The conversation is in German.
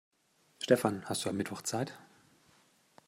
Stefan, hast du am Mittwoch Zeit?